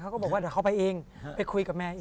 เขาก็บอกว่าเขาไปเองไปคุยกับแม่เอง